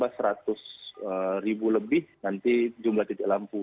dan proyek kpbu nanti akan ditambah seratus ribu lebih nanti jumlah titik lampu